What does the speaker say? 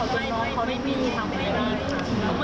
ออกมาปกติค่ะเขามาสอบงงอยู่ปกติ